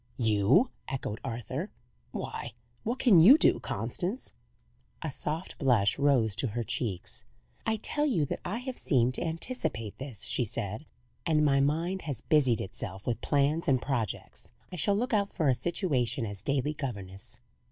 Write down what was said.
"You!" echoed Arthur. "Why, what can you do, Constance?" A soft blush rose to her cheeks. "I tell you that I have seemed to anticipate this," she said, "and my mind has busied itself with plans and projects. I shall look out for a situation as daily governess."